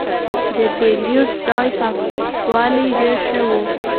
د پیرود ځای پاکوالی ډېر ښه و.